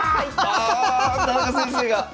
あ田中先生が！